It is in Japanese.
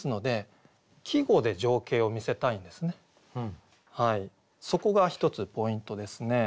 ですのでそこが１つポイントですね。